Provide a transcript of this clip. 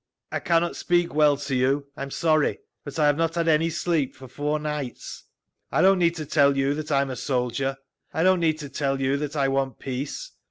"I cannot speak well to you; I am sorry; but I have not had any sleep for four nights…. "I don't need to tell you that I am a soldier. I don't need to tell you that I want peace.